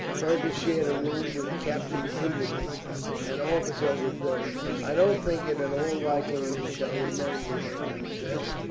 Fergus shared a room with Captain Hindeman, an officer of the 3rd. "I don't think it at all likely we shall remain here," the latter said.